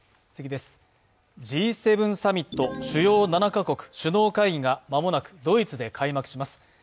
Ｇ７サミット＝主要７か国首脳会議が間もなくドイツで開幕します。